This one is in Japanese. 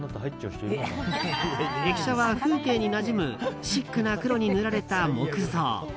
駅舎は風景になじむシックな黒に塗られた木造。